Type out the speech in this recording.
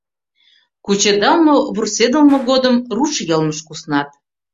Кучедалме, вурседылме годым руш йылмыш куснат.